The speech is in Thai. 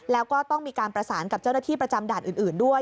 แล้วก็ต้องมีการประสานกับเจ้าหน้าที่ประจำด่านอื่นด้วย